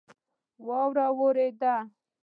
واوره اوورېده